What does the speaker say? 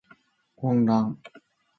混乱